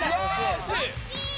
惜しい！